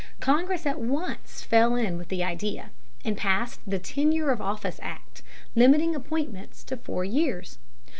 Congress at once fell in with the idea and passed the Tenure of Office Act, limiting appointments to four years.